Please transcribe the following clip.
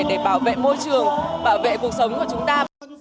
để bảo vệ môi trường bảo vệ cuộc sống của chúng ta